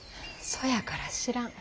そやから知らん。